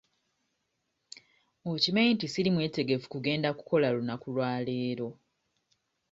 Okimanyi nti siri mwetegefu gugenda kukola olunaku lwa leero?